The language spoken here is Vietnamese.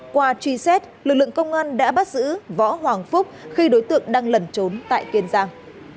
qua truy xét lực lượng công an đã bắt giữ võ hoàng phúc khi đối tượng đang lẩn trốn tại kiên giang